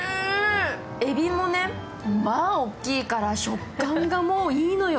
えびもね、まぁ、大きいから食感がもういいのよ。